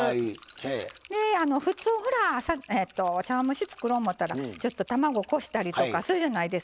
で普通ほら茶碗蒸し作ろう思たらちょっと卵こしたりとかするじゃないですか。